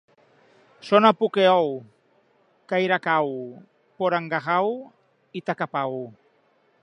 Són a Pukehou, Kairakau, Porangahau i Takapau.